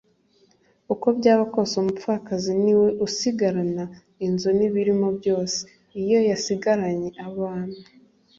uko byaba kose umupfakazi niwe usigarana inzu n'ibirimo byose iyo yasigaranye abana